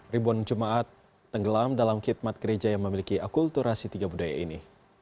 ribuan jemaat tenggelam dalam khidmat gereja yang memiliki akulturasi tiga budaya ini